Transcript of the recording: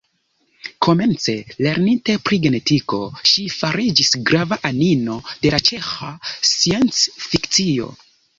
Komence lerninte pri genetiko, ŝi fariĝis grava anino de la ĉeĥa sciencfikcio.